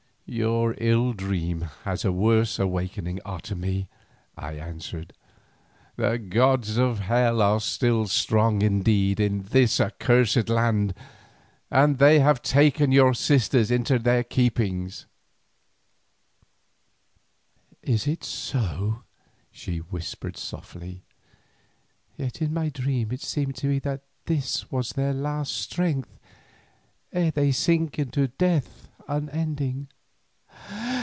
"Your ill dream has a worse awakening, Otomie," I answered. "The gods of hell are still strong indeed in this accursed land, and they have taken your sisters into their keeping." "Is it so?" she said softly, "yet in my dream it seemed to me that this was their last strength ere they sink into death unending.